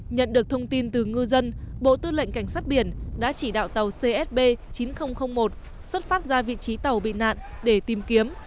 nhận được thông tin từ ngư dân bộ tư lệnh cảnh sát biển đã chỉ đạo tàu csb chín nghìn một xuất phát ra vị trí tàu bị nạn để tìm kiếm